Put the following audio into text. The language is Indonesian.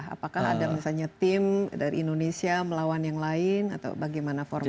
apakah ada misalnya tim dari indonesia melawan yang lain atau bagaimana formal